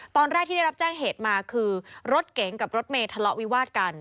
ตอนแรกที่ได้รับแจ้งเหตุมาคือรถเก๋งกับรถเมย์ทะเลาะวิวาดกัน